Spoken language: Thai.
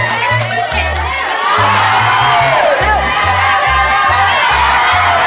เอาใหม่